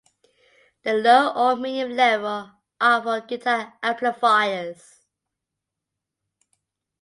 The low or medium level are for guitar amplifiers.